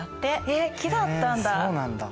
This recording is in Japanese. えっ木だったんだ！